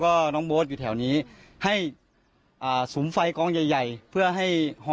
ก็น้องโบ๊ทอยู่แถวนี้ให้อ่าสุมไฟกองใหญ่ใหญ่เพื่อให้ห่อ